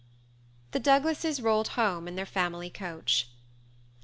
The Douglases rolled home in their family coach.